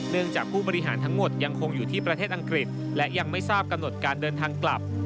จากผู้บริหารทั้งหมดยังคงอยู่ที่ประเทศอังกฤษและยังไม่ทราบกำหนดการเดินทางกลับ